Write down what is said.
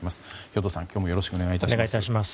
兵頭さん、今日もよろしくお願いします。